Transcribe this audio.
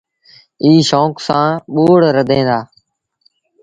ائيٚݩ شوڪ سآݩ ٻوڙ رڌيٚن دآ۔